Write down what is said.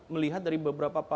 melihat dari beberapa pilihan